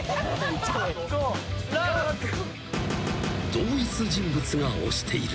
［同一人物が押している］